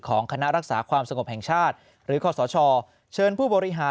คณะรักษาความสงบแห่งชาติหรือคศเชิญผู้บริหาร